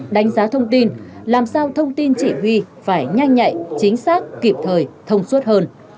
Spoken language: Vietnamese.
đánh giá thông tin làm sao thông tin chỉ huy phải nhanh nhạy chính xác kịp thời thông suốt hơn